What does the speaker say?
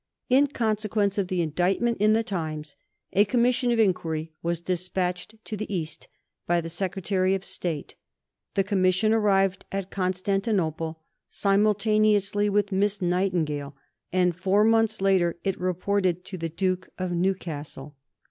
In consequence of the indictment in the Times, a Commission of Inquiry was dispatched to the East by the Secretary of State. The Commission arrived at Constantinople simultaneously with Miss Nightingale, and four months later it reported to the Duke of Newcastle.